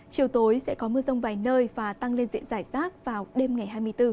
chiều tối sẽ có mưa rông vài nơi và tăng lên diện giải rác vào đêm ngày hai mươi bốn